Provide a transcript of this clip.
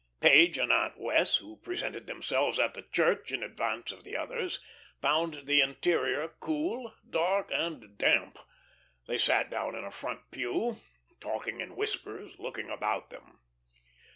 Page and Aunt Wess', who presented themselves at the church in advance of the others, found the interior cool, dark, and damp. They sat down in a front pew, talking in whispers, looking about them.